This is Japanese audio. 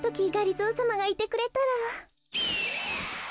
ぞーさまがいてくれたら。